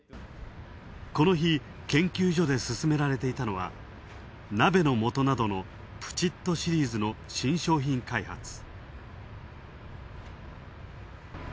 この日、研究所で進められていたのは、鍋のもとなどのプチッとシリーズの新商品開発。